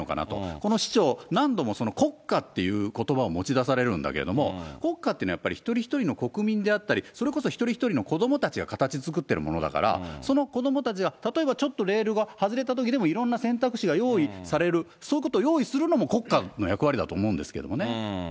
この市長、何度も国家っていうことばを持ち出されるんだけれども、国家というのは、やっぱり一人一人の国民であったり、それこそ一人一人の子どもたちが形づくっているものだから、その子どもたちが、例えばちょっとレールが外れたときでも、いろんな選択肢が用意される、そういうことを用意するのも国家の役割だと思うんですけれどもね。